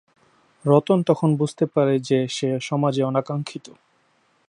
রতন তখন বুঝতে পারে যে সে সমাজে অনাখাঙ্খিত।